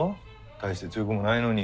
大して強くもないのに。